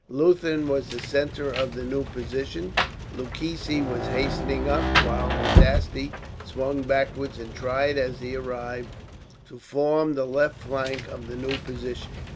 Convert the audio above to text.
Leuthen was the centre of the new position. Lucchesi was hastening up, while Nadasti swung backwards and tried, as he arrived, to form the left flank of the new position.